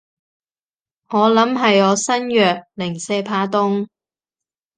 我諗係我身弱，零舍怕凍